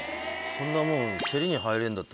そんなもん。